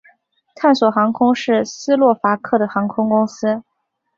探索航空是斯洛伐克的航空公司。